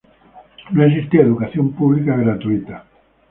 No existía educación pública gratuita.